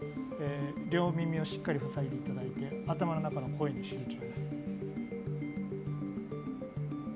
両耳をしっかり塞いでいただいて頭の中の声に集中。